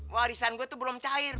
warisan gue tuh belum cair